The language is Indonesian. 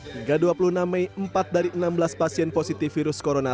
hingga dua puluh enam mei empat dari enam belas pasien positif virus corona